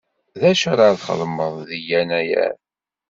D acu ara txedmeḍ deg Yennayer?